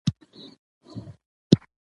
چې چارپايي د صمدو کورته يوسې؟